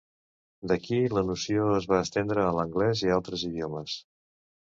D'aquí la noció es va estendre a l'anglès i a altres idiomes.